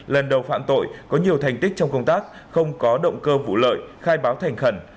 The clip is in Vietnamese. lần đầu phạm tội có nhiều thành tích trong công tác không có động cơ vụ lợi khai báo thành khẩn